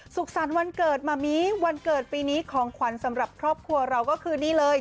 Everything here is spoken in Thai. สุขสรรค์วันเกิดมามีวันเกิดปีนี้ของขวัญสำหรับครอบครัวเราก็คือนี่เลย